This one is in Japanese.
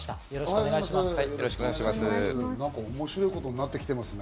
おもしろいことになってきてますね。